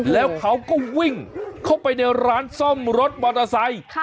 แล้วเขาก็วิ่งเข้าไปในร้านซ่อมรถมอเตอร์ไซค์